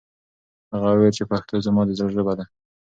هغه وویل چې پښتو زما د زړه ژبه ده.